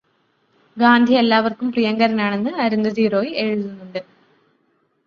ഗാന്ധി എല്ലാവര്ക്കും പ്രിയങ്കരനാണെന്ന് അരുന്ധതി റോയ് എഴുതുന്നുണ്ട്.